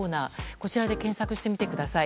こちらで検索してみてください。